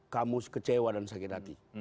kamu kecewa dan sakit hati